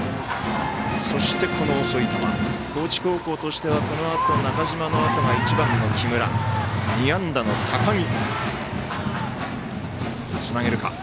高知高校としては、このあと中嶋のあとが１番の木村２安打の高木。